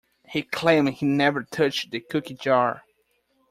He claimed he never touched the cookie jar.